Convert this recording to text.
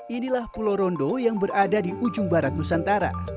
inilah pulau rondo yang berada di ujung barat nusantara